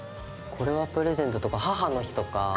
これはプレゼントとか母の日とか。